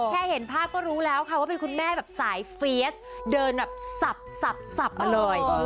แค่เห็นภาพก็รู้แล้วว่าเป็นคุณแม่ประสาทฟรีอสเดินแบบสับมาเลย